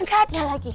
gak ada lagi